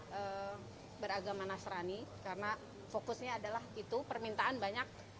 saya beragama nasrani karena fokusnya adalah itu permintaan banyak